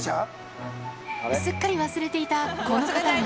すっかり忘れていたこの方が。